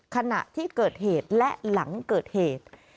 ขณะที่เกิดเหตุและหลังเกิดเหตุ